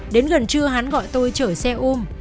đến gần trưa hắn gọi tôi chở xe ôm